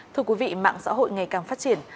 thưa quý vị mạng xã hội ngày càng phát triển